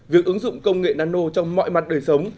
việc ứng dụng công nghệ nano trong mọi mặt đời sống